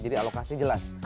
jadi alokasinya jelas